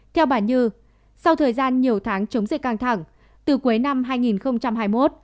theo bà như sau thời gian nhiều tháng chống dịch căng thẳng từ cuối năm hai nghìn hai mươi một